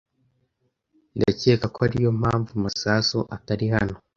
Ndakeka ko ariyo mpamvu Masasu atari hano.